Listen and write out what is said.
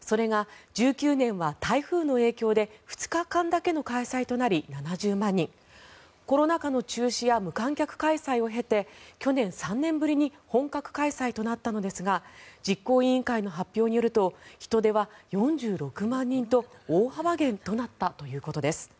それが１９年は台風の影響で２日間だけの開催となり７０万人コロナ禍の中止や無観客開催を経て去年、３年ぶりに本格開催となったのですが実行委員会の発表によると人出は４６万人と大幅減となったということです。